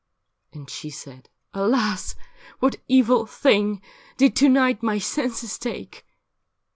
And she said, ' Alas ! what evil thing Did to night my senses take